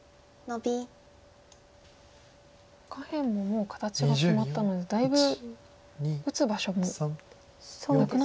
下辺ももう形が決まったのでだいぶ打つ場所もなくなってきましたね。